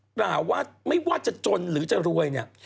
กล่าวว่าไม่ว่าจะจนหรือจะรวยเนี่ย